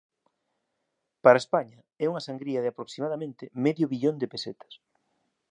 Para España é unha sangría de aproximadamente medio billón de pesetas.